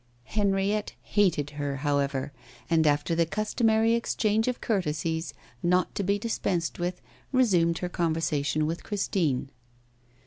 Henriette hated her, however, and after the customary exchange of courtesies, not to be dispensed with, resumed her conversation with Christine.